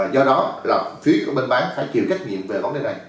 do đó là phía của bên bán phải chịu trách nhiệm về vấn đề này